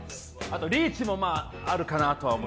リーチもあるかなと思って。